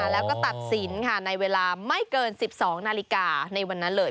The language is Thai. แล้วก็ตัดสินในเวลาไม่เกิน๑๒นาฬิกาในวันนั้นเลย